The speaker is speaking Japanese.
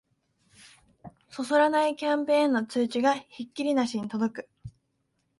そそらないキャンペーンの通知がひっきりなしに届く